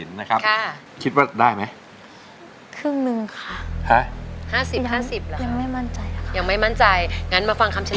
ร้องให้ร้อง